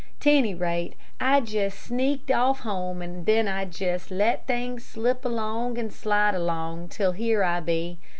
'T any rate, I jest sneaked off home, and then I jest let things slip along and slide along till here I be.